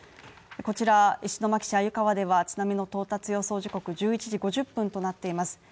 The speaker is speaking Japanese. こちら石巻市鮎川では津波の到達予想時刻１１時５０分となっています